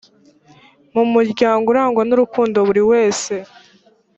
mu muryango urangwa n urukundo buri wese